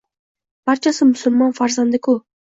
Barchasi musulmon farzandi-ku.